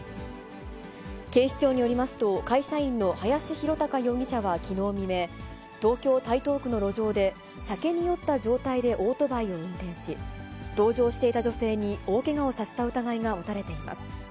警視庁によりますと、会社員の林浩生容疑者はきのう未明、東京・台東区の路上で酒に酔った状態でオートバイを運転し、同乗していた女性に大けがをさせた疑いが持たれています。